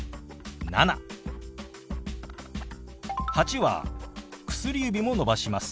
「８」は薬指も伸ばします。